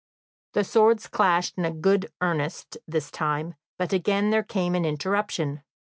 The swords clashed in good earnest this time, but again there came an interruption.